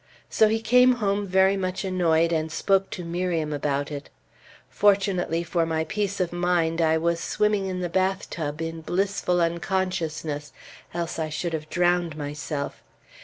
So he came home very much annoyed, and spoke to Miriam about it. Fortunately for my peace of mind, I was swimming in the bathtub in blissful unconsciousness, else I should have drowned myself.